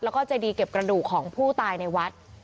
แล้วก็เจดีเก็บกระดูกของผู้ตายในวัด